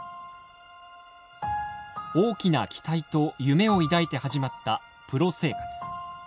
大きな期待と夢を抱いて始まったプロ生活。